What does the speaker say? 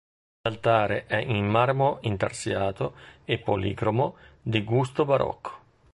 L'altare è in marmo intarsiato e policromo di gusto barocco.